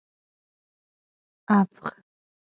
افغ